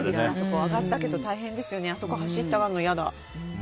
上がったけど大変ですよねあそこ走って上がるの嫌だ。